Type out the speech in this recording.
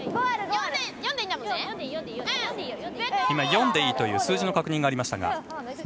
今、４でいいという数字の確認がありました。